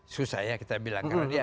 susah ya kita bilang